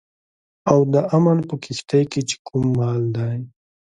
او د امن په کښتئ کې چې کوم مال دی